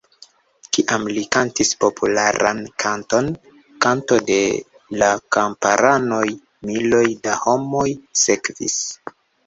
Kiam li kantis popularan kanton 'Kanto de la Kamparanoj', miloj da homoj sekvis.